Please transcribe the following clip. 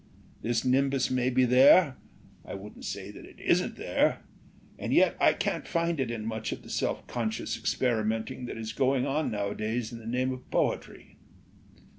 "This nimbus may be there I wouldn't say that it isn't there and yet I can't find it in much of the self conscious experimenting that is going on nowadays in the name of poetry.